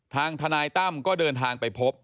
ทนายตั้มก็เดินทางไปพบ